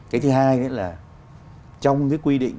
cái thứ hai là trong cái quy định